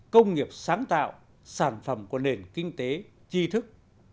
công nghiệp sáng tạo sản phẩm của nền kinh tế chi thức